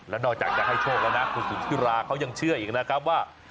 แล้วนอกจากจะให้โชคแล้วนะคุณสุนทิราเขายังเชื่ออีกนะครับว่า